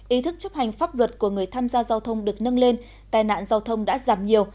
ý thức chấp hành pháp luật của người tham gia giao thông được nâng lên tài nạn giao thông đã giảm nhiều